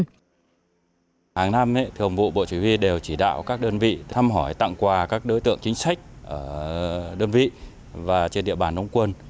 hàng năm thường vụ bộ chỉ huy đều chỉ đạo các đơn vị thăm hỏi tặng quà các đối tượng chính sách ở đơn vị và trên địa bàn nông quân